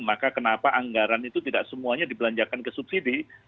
maka kenapa anggaran itu tidak semuanya dibelanjakan ke subsidi